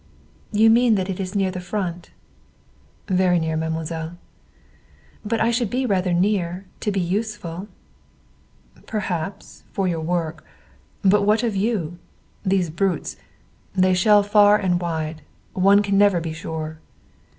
"You mean that it is near the Front?" "Very near, mademoiselle." "But I should be rather near, to be useful." "Perhaps, for your work. But what of you? These brutes they shell far and wide. One can never be sure."